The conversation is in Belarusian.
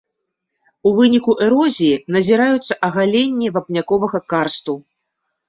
У выніку эрозіі назіраюцца агаленні вапняковага карсту.